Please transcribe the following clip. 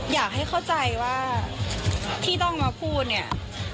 อยากให้เข้าใจว่าที่ต้องมาพูดเนี่ย